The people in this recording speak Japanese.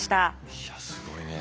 いやすごいね。